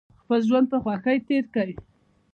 خپل ژوند په خوښۍ تیر کړئ